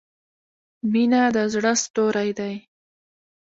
• مینه د زړۀ ستوری دی.